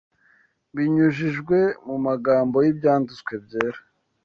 binyujijwe mu magambo y’Ibyanditswe Byera